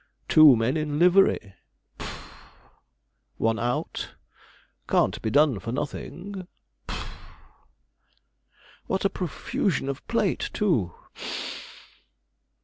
'Two men in livery' (puff), 'one out, can't be done for nothing' (puff). 'What a profusion of plate, too!'